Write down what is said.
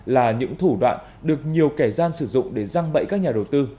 là những thủ đoạn được nhiều kẻ gian sử dụng để răng bẫy các nhà đầu tư